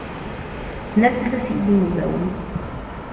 Dnes zde sídlí muzeum.